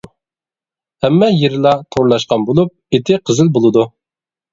ھەممە يېرىلا تورلاشقان بولۇپ، ئېتى قىزىل بولىدۇ.